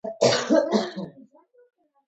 بې له دې باورونو انساني ټولنه نهشي پاتې کېدی.